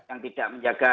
yang tidak menjaga